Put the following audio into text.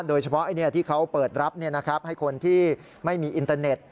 โดยเฉพาะที่เขาเปิดรับให้คนที่ไม่มีอินเตอร์เน็ต